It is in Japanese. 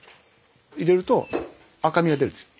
入れると赤みが出るんですよ。